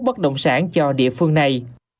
bất động sản cho địa phương này